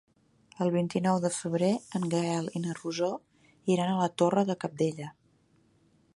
El vint-i-nou de febrer en Gaël i na Rosó iran a la Torre de Cabdella.